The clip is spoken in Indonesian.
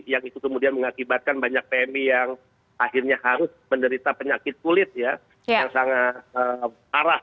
yang itu kemudian mengakibatkan banyak pmi yang akhirnya harus menderita penyakit kulit ya yang sangat parah